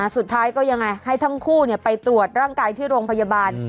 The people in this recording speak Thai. สุดท้ายก็ยังไงให้ทั้งคู่ไปตรวจร่างกายที่โรงพยาบาล